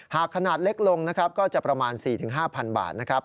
หากขนาดเล็กลงนะครับก็จะประมาณ๔๕๐๐บาทนะครับ